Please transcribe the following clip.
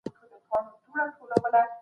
بې خوبۍ ورځ ستونزمنه کوي.